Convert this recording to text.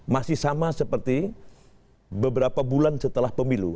masih sama seperti beberapa bulan setelah pemilu